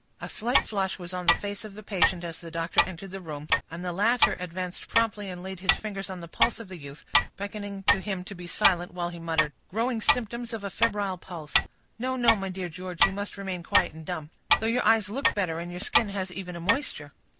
A slight flush was on the face of the patient as the doctor entered the room, and the latter advanced promptly and laid his fingers on the pulse of the youth, beckoning to him to be silent, while he muttered,— "Growing symptoms of a febrile pulse—no, no, my dear George, you must remain quiet and dumb; though your eyes look better, and your skin has even a moisture."